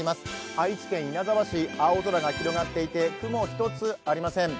愛知県稲沢市、青空が広がっていて、雲一つありません。